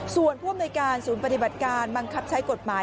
ส่วนผู้อำนวยการศูนย์ปฏิบัติการบังคับใช้กฎหมาย